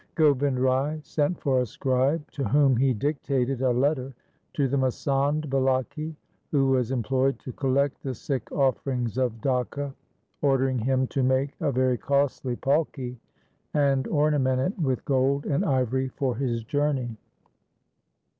Gobind Rai sent for a scribe to whom he dictated a letter to the masand Bulaki, who was employed to collect the Sikh offerings of Dhaka, ordering him to make a very costly fialki and ornament it with gold and ivory for his journey.